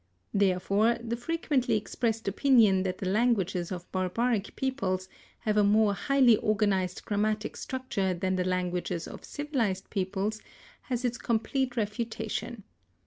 Therefore the frequently expressed opinion that the languages of barbaric peoples have a more highly organized grammatic structure than the languages of civilized peoples has its complete refutation.